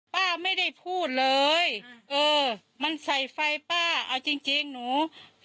ป้าไม่ได้พูดเลยเออมันใส่ไฟป้าเอาจริงจริงหนู